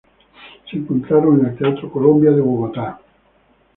Se encontraron en el Teatro Colombia, de Bogotá.